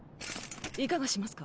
いかがしますか？